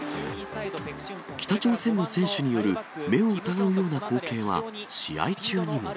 北朝鮮の選手による目を疑うような光景は、試合中にも。